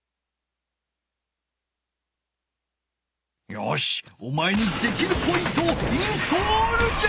よしおまえにできるポイントをインストールじゃ！